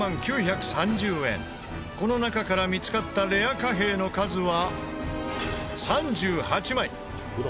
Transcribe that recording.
この中から見つかったレア貨幣の数は３８枚。